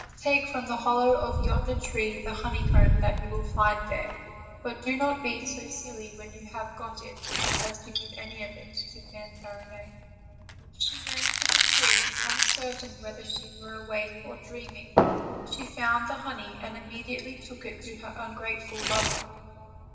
take from the hollow of yonder tree the honeycomb that you will find there; but do not be so silly when you have got it as to give any of it to Fanfarinet." She ran to the tree, uncertain whether she were awake or dreaming. She found the honey and immediately took it to her ungrateful lover.